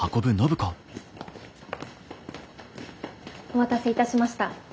お待たせいたしました。